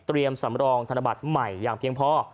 สำรองธนบัตรใหม่อย่างเพียงพอ